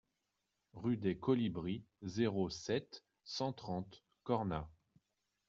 Rue des Colibris, zéro sept, cent trente Cornas